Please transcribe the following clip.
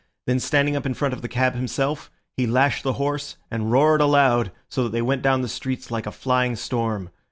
Then standing up in front of the cab himself, he lashed the horse and roared aloud, so that they went down the streets like a flying storm.